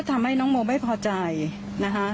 ทำให้น้องโมไม่พอใจนะคะ